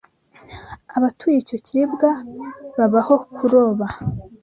Abatuye icyo kirwa babaho kuroba.